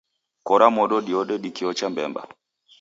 Kora modo diode dikiocha mbemba